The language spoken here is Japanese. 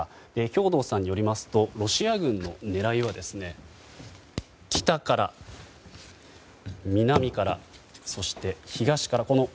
兵頭さんによりますとロシア軍の狙いは北から、南から、そして東から。